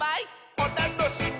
おたのしみ！」